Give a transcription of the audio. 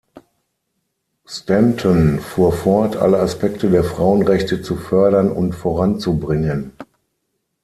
Stanton fuhr fort, alle Aspekte der Frauenrechte zu fördern und voranzubringen.